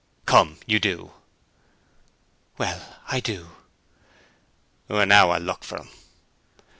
'Come, you do.' 'Well, I do.' 'Now I'll look for him.'